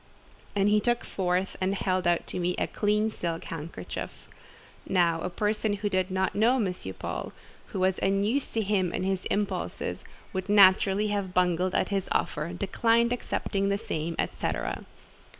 And he took forth and held out to me a clean silk handkerchief. Now a person who did not know M. Paul, who was unused to him and his impulses, would naturally have bungled at this offer—declined accepting the same—et cetera.